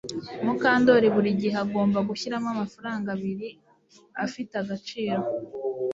Mukandoli buri gihe agomba gushyiramo amafaranga abiri afite agaciro